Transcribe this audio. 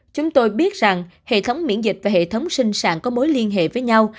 chúng tôi biết rằng hệ thống miễn dịch và hệ thống sinh sản có mối liên hệ với nhau